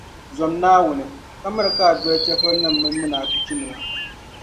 Zom Naawuni, ka miri ka a doli chεfurinim’ mini munaafichinima.